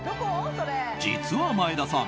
実は前田さん